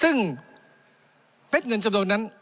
ซึ่งเว็บเงินสำเร็จนั้น